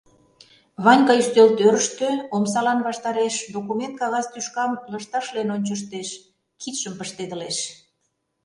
Ванька ӱстелтӧрыштӧ, омсалан ваштареш, документ кагаз тӱшкам лышташлен ончыштеш, кидшым пыштедылеш.